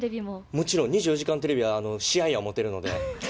もちろん、２４時間テレビは試合やと思ってるので。